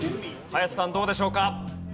林さんどうでしょうか？